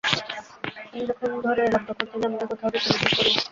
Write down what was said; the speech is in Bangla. আমি যখন ঘরে এলাম তখন তিনি আমাকে কোথাও যেতে নিষেধ করলেন।